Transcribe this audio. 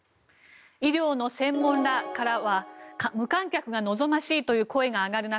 医療の専門家らからは無観客が望ましいという声が上がる中